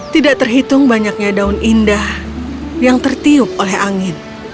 tidak terhitung banyaknya daun indah yang tertiup oleh angin